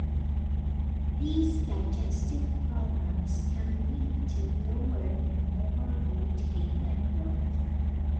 These digestive problems can lead to lower than normal weight gain and growth.